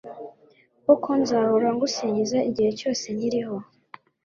Koko nzahora ngusingiza igihe cyose nkiriho